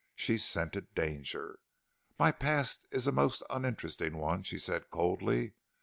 She scented danger. "My past is a most uninteresting one," she said, coldly.